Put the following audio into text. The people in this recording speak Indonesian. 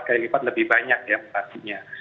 tiga kali lipat lebih banyak ya mutasinya